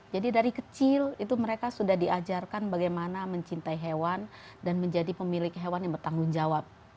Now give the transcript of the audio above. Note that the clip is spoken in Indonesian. dari kecil itu mereka sudah diajarkan bagaimana mencintai hewan dan menjadi pemilik hewan yang bertanggung jawab